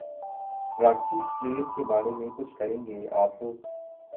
راکی Flair کے بارے میں کچھ کریں گے آپ لوگ